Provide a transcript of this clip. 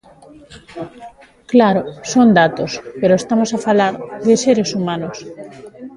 Claro, son datos, pero estamos a falar de seres humanos.